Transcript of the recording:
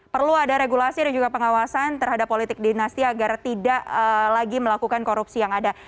perlu ada regulasi dan juga pengawasan terhadap politik dinasti agar tidak lagi melakukan korupsi yang ada